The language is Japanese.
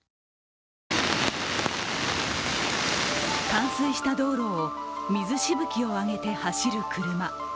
冠水した道路を水しぶきを上げて走る車。